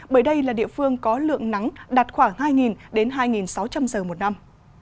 bởi đây là địa phương có lượng nắng đạt khoảng hai đến hai sáu trăm linh giờ một năm